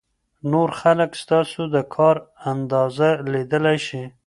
نور خلک ستاسو د کار اندازه لیدلای شي.